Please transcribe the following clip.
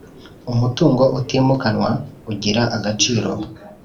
umutunga utimukanwa ugira agaciro